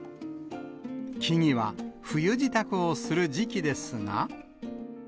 木々は冬支度をする時期ですが。